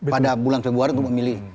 pada bulan februari untuk memilih